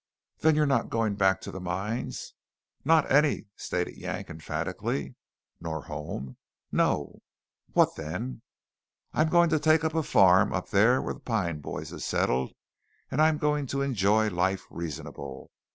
"Then you're not going back to the mines?" "Not any!" stated Yank emphatically. "Nor home?" "No." "What then?" "I'm going to take up a farm up thar whar the Pine boys is settled, and I'm going to enjoy life reasonable.